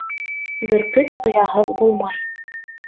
Бөркөт ояһыҙ булмай.